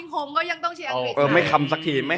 เชียร์เดนมาร์ละกัน